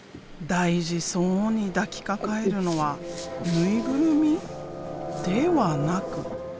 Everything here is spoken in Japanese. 大事そうに抱きかかえるのは縫いぐるみ？ではなく。